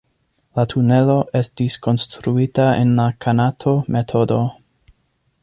La tunelo estis konstruita en la Kanato-metodo.